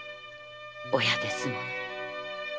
親ですもの。